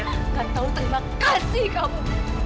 bukan tahu terima kasih kamu